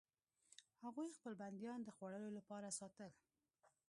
هغوی خپل بندیان د خوړلو لپاره ساتل.